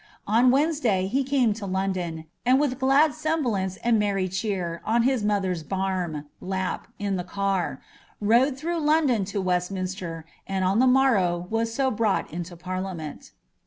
On WedneedaT he came lo London, and with glad semblance and merry cheer on his mother's banii* (lap) in the car, rode through Ixiniton to WentiniucKt. and on the morrow was so brought into pailiiuneni."